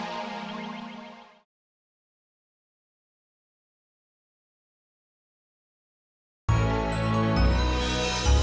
harus bisa dipercaya tuh